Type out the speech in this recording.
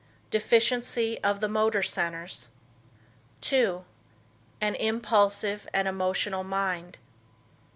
"Deficiency of the motor centers." 2. "An impulsive and emotional mind."